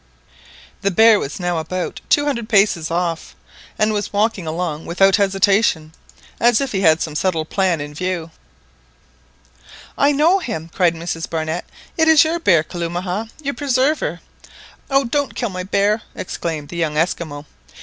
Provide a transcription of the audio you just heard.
The bear was now about two hundred paces off, and was walking along without hesitation, as if he had some settled plan in view. "I know him!" cried Mrs Barnett, "it is your bear, Kalumah, your preserver!" "Oh, don't kill my bear!" exclaimed the young Esquimaux.